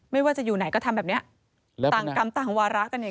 ไม่ว่าจะอยู่ไหนก็ทำแบบเนี้ยต่างกรรมต่างวาระกันเนี่ย